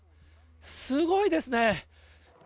すごいですね。